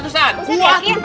tangan awas tangan saya kecap